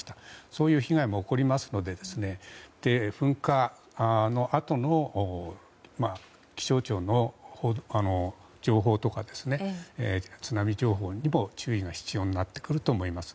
そういう被害も起こりますので噴火のあとの気象庁の情報とか津波情報にも注意が必要になってくると思います。